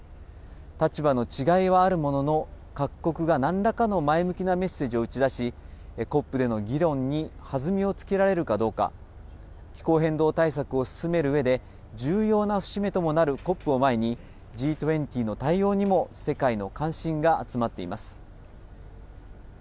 立場の違いはあるものの、各国がなんらかの前向きなメッセージを打ち出し、ＣＯＰでの議論に弾みをつけられるかどうか、気候変動対策を進めるうえで、重要な節目ともなるＣＯＰを前に、Ｇ２０の対応にも世界の関心が集まっています。